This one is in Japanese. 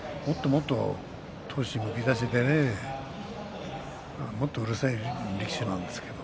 もっともっと闘志むき出しでねもっとうるさい力士なんですけど。